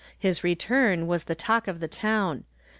His return was the talk of the town.